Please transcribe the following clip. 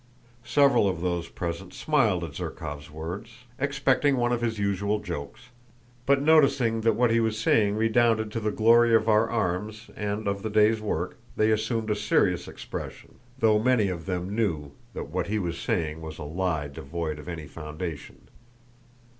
Several of those present smiled at Zherkóv's words, expecting one of his usual jokes, but noticing that what he was saying redounded to the glory of our arms and of the day's work, they assumed a serious expression, though many of them knew that what he was saying was a lie devoid of any foundation.